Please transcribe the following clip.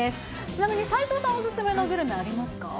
ちなみに齊藤さんお勧めのグルメ、ありますか？